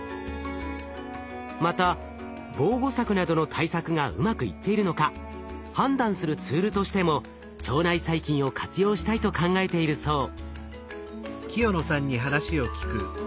また防護柵などの対策がうまくいっているのか判断するツールとしても腸内細菌を活用したいと考えているそう。